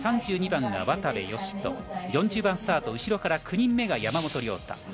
３２番が渡部善斗４０番スタート、後ろから９人目が山本涼太